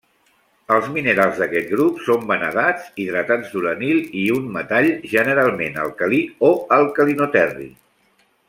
Els minerals d'aquest grup són vanadats hidratats d'uranil i un metal, generalment alcalí o alcalinoterri.